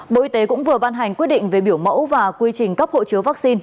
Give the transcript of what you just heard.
bộ y tế cũng vừa ban hành quyết định về biểu mẫu và quy trình cấp hộ chiếu vaccine